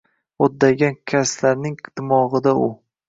G’o’ddaygan kaslarning dimog’ida u –